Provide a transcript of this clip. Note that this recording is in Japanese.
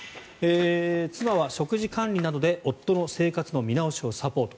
妻は食事管理などで夫の生活の見直しをサポート。